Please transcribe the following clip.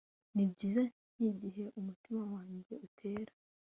Nibyiza nkigihe umutima wanjye utera